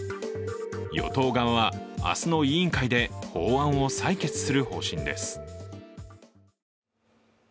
与党側は明日の委員会で法案を採決する方針です。